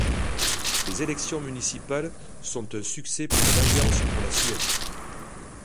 Les élections municipales sont un succès pour l’Alliance pour la Suède.